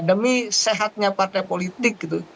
demi sehatnya partai politik gitu